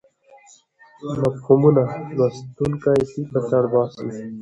مفهومونه لوستونکی فکر ته اړ باسي.